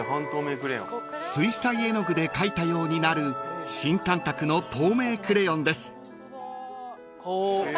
［水彩絵の具で描いたようになる新感覚の透明くれよんです］